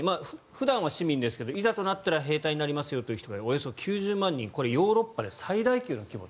普段は市民ですがいざという時は兵隊になりますよという人がおよそ９０万人ヨーロッパで最大級の規模。